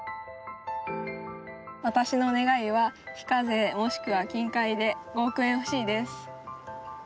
私の願いは非課税もしくは金塊で５億円欲しいです。